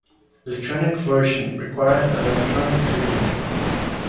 Electronic versions require an electronic signature.